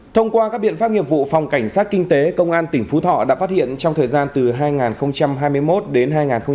thông qua các biện pháp nghiệp vụ phòng cảnh sát kinh tế công an tỉnh phú thọ đã phát hiện trong thời gian từ hai nghìn hai mươi một đến hai nghìn hai mươi ba